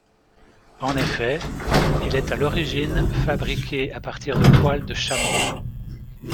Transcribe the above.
En effet, il est à l'origine fabriqué à partir de poils de chameau.